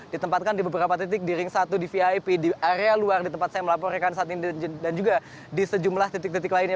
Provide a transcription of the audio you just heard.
ditempatkan di beberapa titik di ring satu di vip di area luar di tempat saya melaporkan saat ini dan juga di sejumlah titik titik lainnya